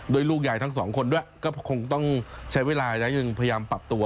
ลูกยายทั้งสองคนด้วยก็คงต้องใช้เวลาและยังพยายามปรับตัว